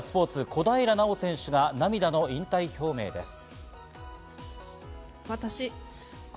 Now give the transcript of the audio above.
小平奈緒選手が涙の引退表明です。